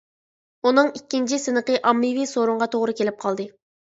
ئۇنىڭ ئىككىنچى سىنىقى ئاممىۋى سورۇنغا توغرا كېلىپ قالدى.